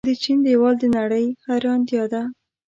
د چین دیوال د نړۍ حیرانتیا ده.